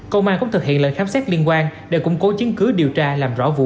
công an cũng thực hiện lệnh khám xét liên quan để củng cố chứng cứ điều tra làm rõ vụ án